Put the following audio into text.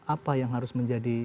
apa yang harus menjadi